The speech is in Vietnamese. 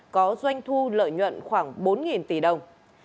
có doanh thu lợi nhuận khoảng bốn tỷ đồng